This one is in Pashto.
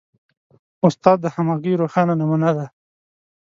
استاد د همغږۍ روښانه نمونه ده.